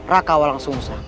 raka akan berkurangan